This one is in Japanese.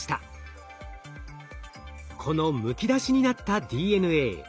このむき出しになったＤＮＡ。